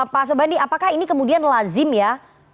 pak sobandi apakah ini kemudian lazim ya